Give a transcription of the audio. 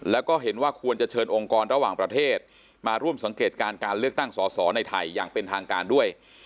แล้วก็เห็นว่าควรจะเชิญองค์กรระหว่างประเทศมาร่วมสังเกตการณ์การเลือกตั้งสอสอในไทยอย่างเป็นทางการด้วย